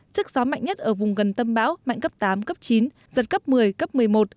sức gió mạnh nhất ở vùng gần tâm bão mạnh cấp tám cấp chín giật cấp một mươi cấp một mươi một